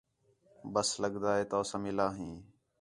بس لڳدا ہِے تؤ ساں مِلا ہیں